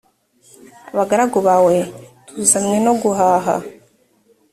abagaragu bawe tuzanywe no guhaha